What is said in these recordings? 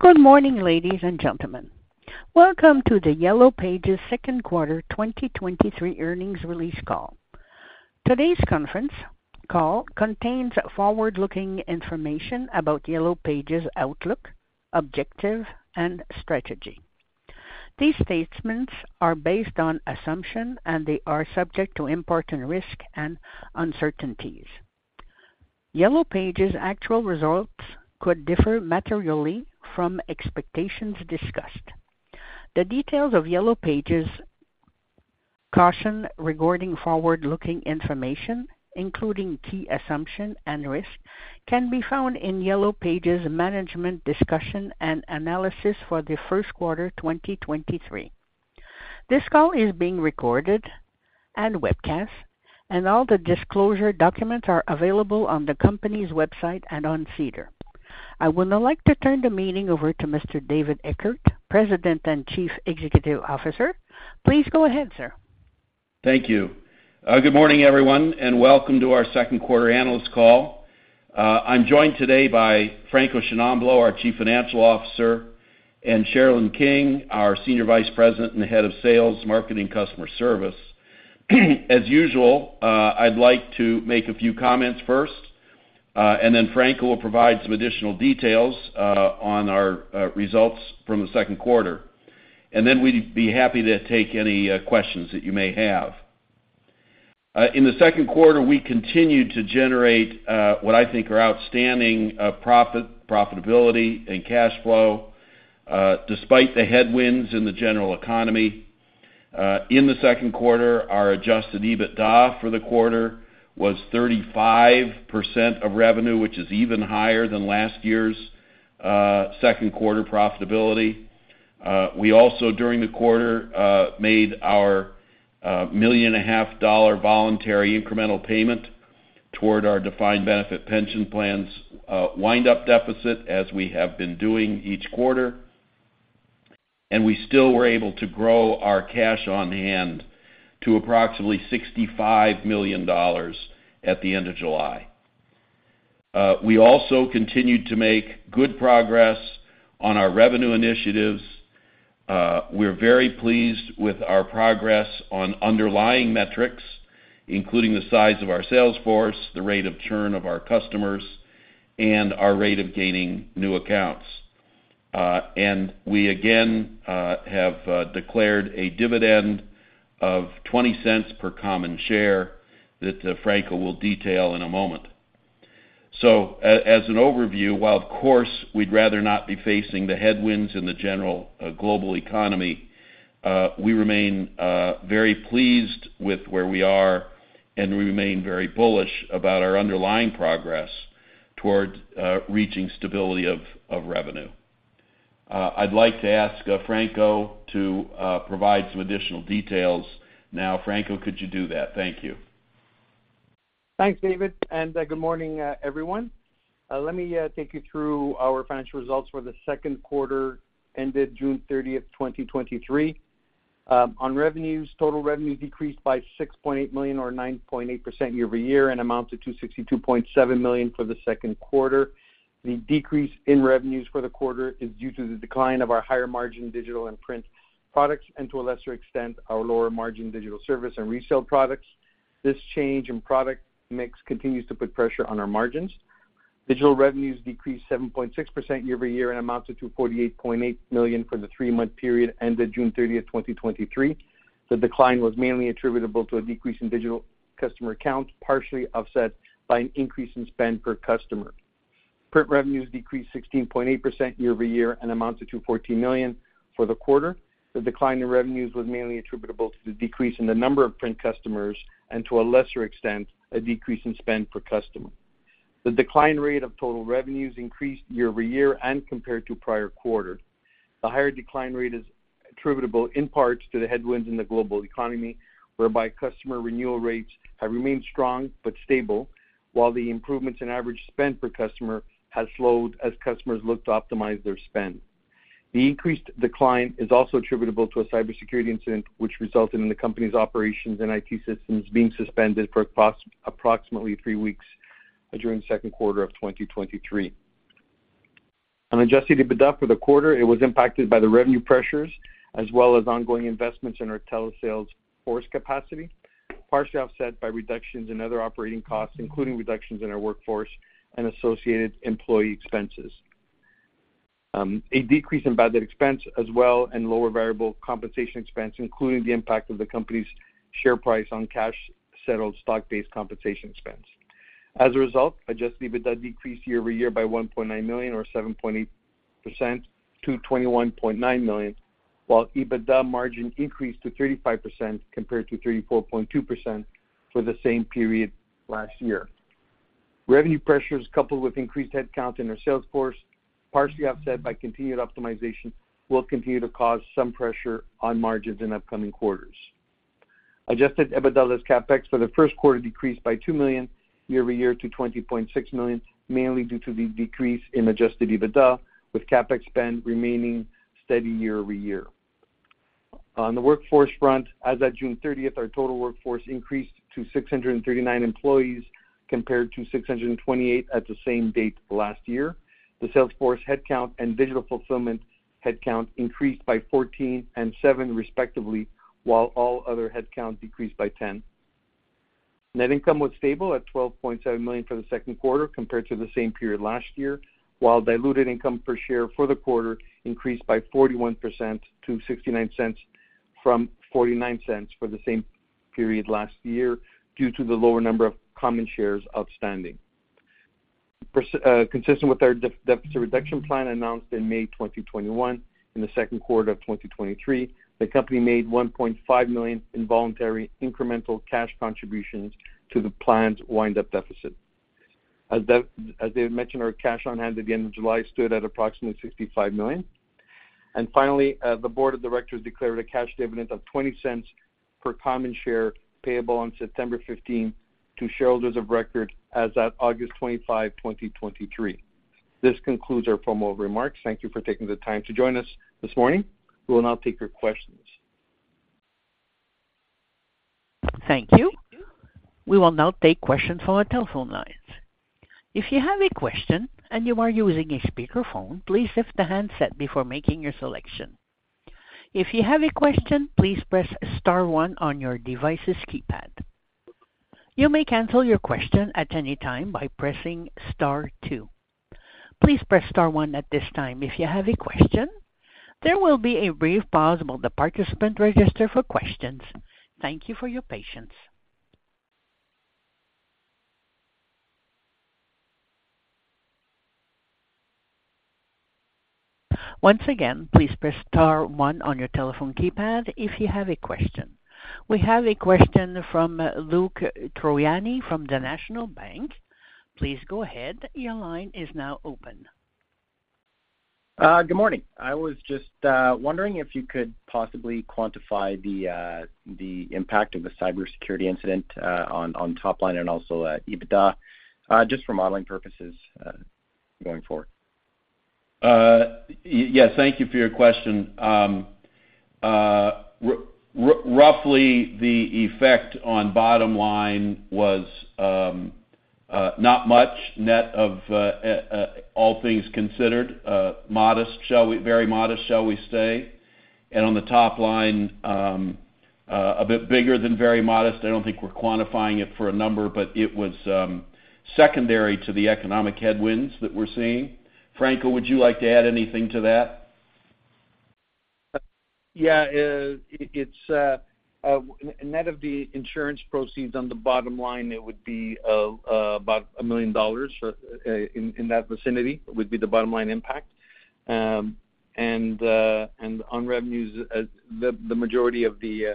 Good morning, ladies and gentlemen. Welcome to the Yellow Pages second quarter 2023 earnings release call. Today's conference call contains forward-looking information about Yellow Pages' outlook, objective, and strategy. These statements are based on assumption, and they are subject to important risk and uncertainties. Yellow Pages' actual results could differ materially from expectations discussed. The details of Yellow Pages' caution regarding forward-looking information, including key assumption and risk, can be found in Yellow Pages' management discussion and analysis for the first quarter, 2023. This call is being recorded and webcast, and all the disclosure documents are available on the company's website and on SEDAR. I would now like to turn the meeting over to Mr. David Eckert, President and Chief Executive Officer. Please go ahead, sir. Thank you. Good morning, everyone, and welcome to our second quarter analyst call. I'm joined today by Franco Sciannamblo, our Chief Financial Officer, and Sherilyn King, our Senior Vice President and Head of Sales, Marketing, Customer Service. As usual, I'd like to make a few comments first, and then Franco will provide some additional details on our results from the second quarter. Then we'd be happy to take any questions that you may have. In the second quarter, we continued to generate what I think are outstanding profit, profitability and cash flow despite the headwinds in the general economy. In the second quarter, our Adjusted EBITDA for the quarter was 35% of revenue, which is even higher than last year's second quarter profitability. We also, during the quarter, made our 1.5 million voluntary incremental payment toward our Defined Benefit Pension Plan's wind-up deficit, as we have been doing each quarter, and we still were able to grow our cash on hand to approximately 65 million dollars at the end of July. We also continued to make good progress on our revenue initiatives. We're very pleased with our progress on underlying metrics, including the size of our sales force, the rate of churn of our customers, and our rate of gaining new accounts. And we again have declared a dividend of 0.20 per common share that Franco will detail in a moment. As an overview, while of course, we'd rather not be facing the headwinds in the general global economy, we remain very pleased with where we are, and we remain very bullish about our underlying progress towards reaching stability of revenue. I'd like to ask Franco to provide some additional details. Now, Franco, could you do that? Thank you. Thanks, David. Good morning, everyone. Let me take you through our financial results for the second quarter ended June 30, 2023. On revenues, total revenue decreased by 6.8 million or 9.8% year-over-year and amounts to 262.7 million for the second quarter. The decrease in revenues for the quarter is due to the decline of our higher-margin digital and print products and, to a lesser extent, our lower-margin digital service and resale products. This change in product mix continues to put pressure on our margins. Digital revenues decreased 7.6% year-over-year and amounts to 248.8 million for the three-month period ended June 30, 2023. The decline was mainly attributable to a decrease in digital customer accounts, partially offset by an increase in spend per customer. Print revenues decreased 16.8% year-over-year and amounts to CAD 214 million for the quarter. The decline in revenues was mainly attributable to the decrease in the number of print customers and, to a lesser extent, a decrease in spend per customer. The decline rate of total revenues increased year-over-year and compared to prior quarter. The higher decline rate is attributable in parts to the headwinds in the global economy, whereby customer renewal rates have remained strong but stable, while the improvements in average spend per customer has slowed as customers look to optimize their spend. The increased decline is also attributable to a cybersecurity incident, which resulted in the company's operations and IT systems being suspended for approximately three weeks during the second quarter of 2023. On Adjusted EBITDA for the quarter, it was impacted by the revenue pressures as well as ongoing investments in our tele-sales force capacity, partially offset by reductions in other operating costs, including reductions in our workforce and associated employee expenses. A decrease in bad debt expense as well, and lower variable compensation expense, including the impact of the company's share price on cash settled stock-based compensation expense. As a result, Adjusted EBITDA decreased year-over-year by 1.9 million or 7.8% to 21.9 million, while EBITDA margin increased to 35% compared to 34.2% for the same period last year. Revenue pressures, coupled with increased headcount in our sales force, partially offset by continued optimization, will continue to cause some pressure on margins in upcoming quarters. Adjusted EBITDA less CapEx for the first quarter decreased by 2 million year-over-year to 20.6 million, mainly due to the decrease in Adjusted EBITDA, with CapEx spend remaining steady year-over-year. On the workforce front, as at June 30, our total workforce increased to 639 employees, compared to 628 at the same date last year. The sales force headcount and digital fulfillment headcount increased by 14 and 7, respectively, while all other headcount decreased by 10. Net income was stable at 12.7 million for the second quarter compared to the same period last year, while diluted income per share for the quarter increased by 41% to 0.69, from 0.49 for the same period last year, due to the lower number of common shares outstanding. Consistent with our Deficit-reduction plan announced in May 2021, in the second quarter of 2023, the company made 1.5 million in voluntary incremental cash contributions to the plan's Wind-up deficit. As David mentioned, our cash on hand at the end of July stood at approximately 65 million. Finally, the board of directors declared a cash dividend of 0.20 per common share, payable on September 15 to shareholders of record as at August 25, 2023. This concludes our formal remarks. Thank you for taking the time to join us this morning. We will now take your questions. Thank you. We will now take questions from our telephone lines. If you have a question and you are using a speakerphone, please lift the handset before making your selection. If you have a question, please press star one on your device's keypad. You may cancel your question at any time by pressing star two. Please press star one at this time if you have a question. There will be a brief pause while the participant register for questions. Thank you for your patience. Once again, please press star one on your telephone keypad if you have a question. We have a question from Luc Troiani from National Bank Financial. Please go ahead. Your line is now open. Good morning. I was just wondering if you could possibly quantify the impact of the cybersecurity incident on, on top line and also EBITDA just for modeling purposes going forward? Yes, thank you for your question. Roughly, the effect on bottom line was not much, net of all things considered, modest, shall we very modest, shall we say. On the top line, a bit bigger than very modest. I don't think we're quantifying it for a number, but it was secondary to the economic headwinds that we're seeing. Franco, would you like to add anything to that? Yeah, it, it's, net of the insurance proceeds on the bottom line, it would be about 1 million dollars in, in that vicinity, would be the bottom line impact. On revenues, as the, the majority of the,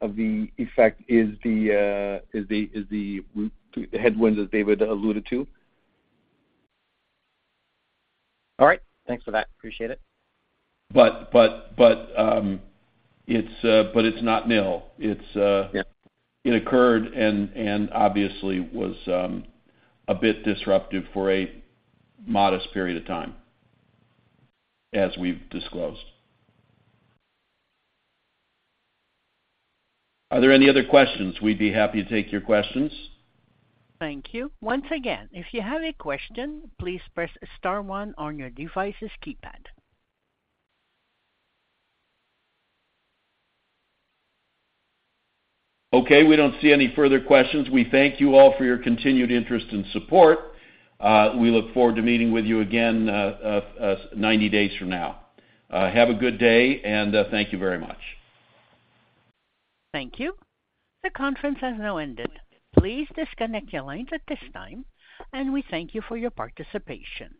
of the effect is the, is the, is the w- headwinds, as David alluded to. All right. Thanks for that. Appreciate it. it's, but it's not nil. It's... Yeah. It occurred and, and obviously was a bit disruptive for a modest period of time, as we've disclosed. Are there any other questions? We'd be happy to take your questions. Thank you. Once again, if you have a question, please press star one on your device's keypad. Okay, we don't see any further questions. We thank you all for your continued interest and support. We look forward to meeting with you again, 90 days from now. Have a good day, and thank you very much. Thank you. The conference has now ended. Please disconnect your lines at this time, and we thank you for your participation.